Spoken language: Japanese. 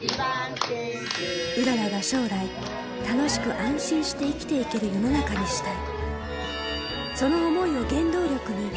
麗が将来、楽しく安心して生きていける世の中にしたい。